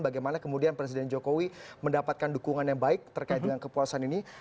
bagaimana kemudian presiden jokowi mendapatkan dukungan yang baik terkait dengan kepuasan ini